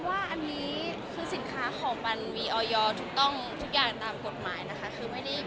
อันนี้คือสิ่งที่เราทำเองกับสิ่งที่เขาจ้างเราลงรูป